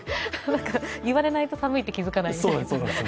言われないと寒いって気づかないみたいな。